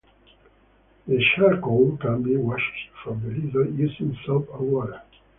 The charcoal can be washed from the leather using soap and water.